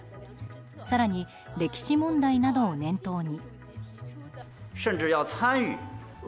更に、歴史問題などを念頭に。